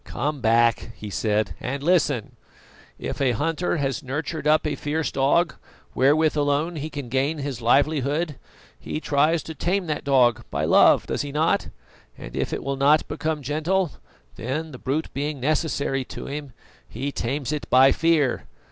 "Come back," he said, "and listen: If a hunter has nurtured up a fierce dog, wherewith alone he can gain his livelihood, he tries to tame that dog by love, does he not? And if it will not become gentle, then, the brute being necessary to him, he tames it by fear.